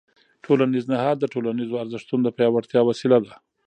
ټولنیز نهاد د ټولنیزو ارزښتونو د پیاوړتیا وسیله ده.